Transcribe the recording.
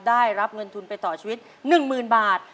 ได้รับเงินทุนไปต่อชีวิต๑๐๐๐บาท